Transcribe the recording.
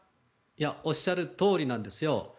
おっしゃるとおりなんです。